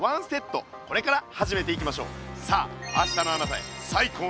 これから始めていきましょう。